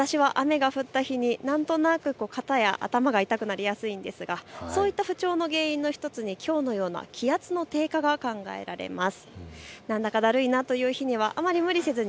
私は雨が降った日に何となく肩や頭が痛くなりやすいんですが、そういった不調の原因１つにきょうのような気圧の低下が考えられます。